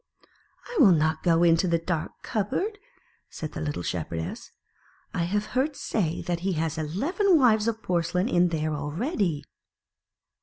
"I will not go into the dark cupboard," said the little Shepherdess ; "I have heard say that he has eleven wives of porcelain in there already."